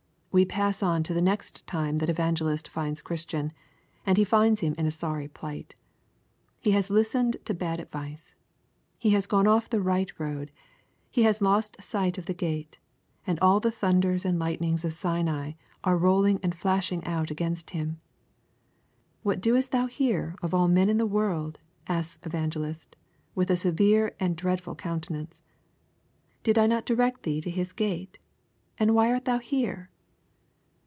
We pass on to the next time that Evangelist finds Christian, and he finds him in a sorry plight. He has listened to bad advice. He has gone off the right road, he has lost sight of the gate, and all the thunders and lightnings of Sinai are rolling and flashing out against him. What doest thou here of all men in the world? asked Evangelist, with a severe and dreadful countenance. Did I not direct thee to His gate, and why art thou here?